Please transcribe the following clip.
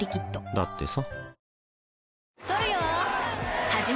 だってさ